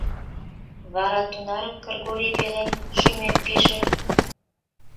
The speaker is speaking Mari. — Вара тунарак Кыргорий пелен шӱмет пиже?